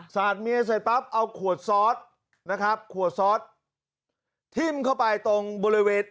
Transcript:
เมียเสร็จปั๊บเอาขวดซอสนะครับขวดซอสทิ้มเข้าไปตรงบริเวณ